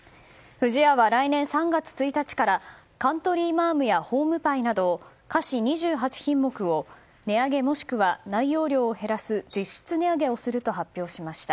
不二家は来年３月１日からカントリーマアムやホームパイなど菓子２８品目を値上げ、もしくは内容量を減らす実質値上げをすると発表しました。